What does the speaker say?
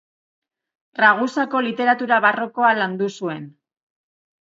Ragusako literatura barrokoa landu zuen.